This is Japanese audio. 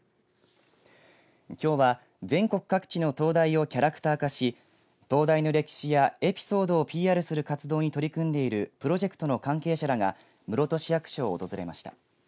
きょうは全国各地の灯台をキャラクター化し灯台の歴史やエピソードをＰＲする活動に取り組んでいるプロジェクトの関係者らが室戸市役所を訪れました。